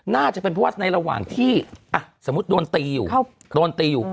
น่าจะเป็นเพราะว่าในระหว่างที่สมมุติโดนตีอยู่โดนตีอยู่